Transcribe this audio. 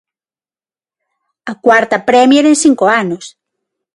A cuarta Prémier en cinco anos.